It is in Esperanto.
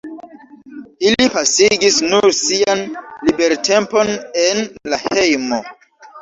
Ili pasigis nur sian libertempon en la hejmo.